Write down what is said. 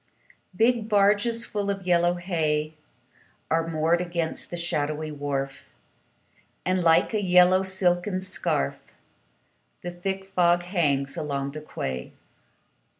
Big barges full of yellow hay Are moored against the shadowy wharf, And, like a yellow silken scarf, The thick fog hangs along the quay.